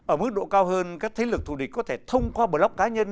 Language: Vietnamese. ở mức độ cao hơn các thế lực thù địch có thể thông qua blog cá nhân